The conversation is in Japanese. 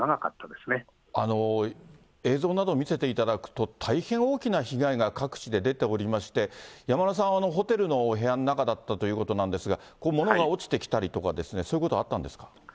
映像などを見せていただくと、大変大きな被害が各地で出ておりまして、山村さんはホテルの部屋の中だったということですが、物が落ちてきたりとかそういうことはあったんですか。